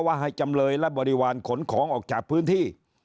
ให้จำเลยและบริวารขนของออกจากพื้นที่